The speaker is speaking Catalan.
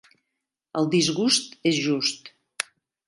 El disgust és just.